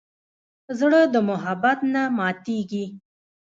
زړه د محبت نه ماتېږي.